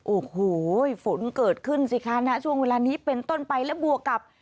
โอ้โหฝนเกิดขึ้นสิคะณช่วงเวลานี้เป็นต้นไปและบวกกับ